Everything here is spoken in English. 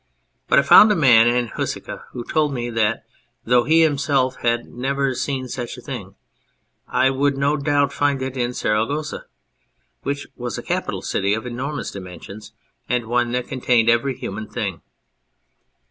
But I found a man in Huesca who told me that, though he himself had never seen such a thing, I would no doubt find it in Saragossa, which was a capital city of enormous dimensions, and one that contained every human thing.